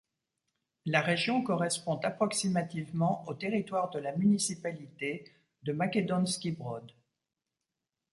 La région correspond approximativement au territoire de la municipalité de Makedonski Brod.